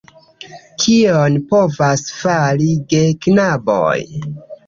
Kion povas fari geknaboj?